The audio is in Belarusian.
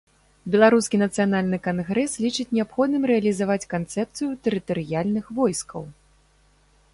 Беларускі нацыянальны кангрэс лічыць неабходным рэалізаваць канцэпцыю тэрытарыяльных войскаў.